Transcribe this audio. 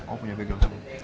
oh punya background sepatu